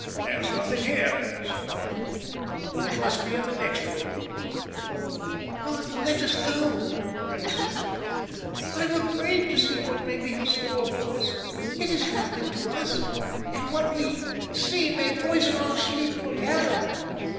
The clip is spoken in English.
"There's nothing here," said Arthur. "It must be in the next room." "Oh, Arthur, let us go," cried Susie. "I'm afraid to see what may be in store for us. It is nothing to us; and what we see may poison our sleep for ever."